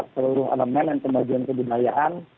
seluruh elemen kemajuan kebudayaan